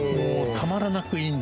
たまらない？